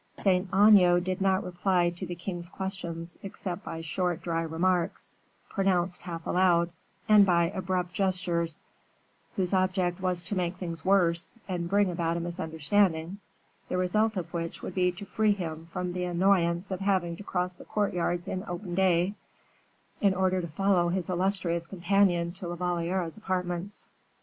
Saint Aignan did not reply to the king's questions except by short, dry remarks, pronounced half aloud; and by abrupt gestures, whose object was to make things worse, and bring about a misunderstanding, the result of which would be to free him from the annoyance of having to cross the courtyards in open day, in order to follow his illustrious companion to La Valliere's apartments.